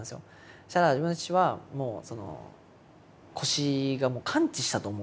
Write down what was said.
そうしたら自分の父はもう腰が完治したと思ってて。